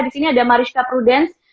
di sini ada mariska prudence